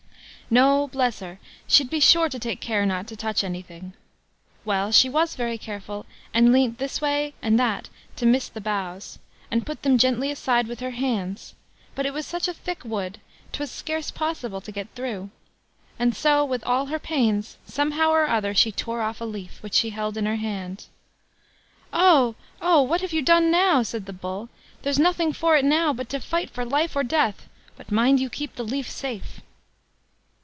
No, bless her, she'd be sure to take care not to touch anything. Well, she was very careful, and leant this way and that to miss the boughs, and put them gently aside with her hands; but it was such a thick wood, 'twas scarce possible to get through; and so, with all her pains, somehow or other she tore off a leaf, which she held in her hand. "AU! AU! what have you done now?" said the Bull; "there's nothing for it now but to fight for life or death; but mind you keep the leaf safe."